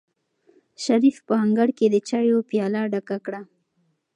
شریف په انګړ کې د چایو پیاله ډکه کړه.